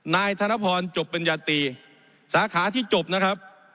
นายธนพรจบปริญญาตรีสาขาที่จบนะครับ